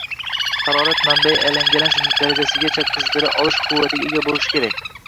harorat manbai alangalanish darajasigacha qizdira olish quvvatiga ega bo’lishi kerak.